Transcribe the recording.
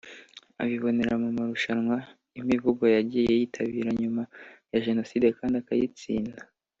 abibonera mu marushanwa y’imivugo yagiye yitabira nyuma ya Jenoside kandi akayatsinda